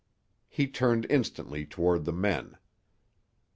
He turned instantly toward the men.